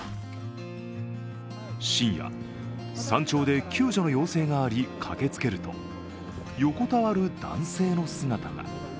深夜、山頂で救助の要請があり、駆けつけると、横たわる男性の姿が。